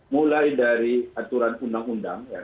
mulai dari aturan undang undang ya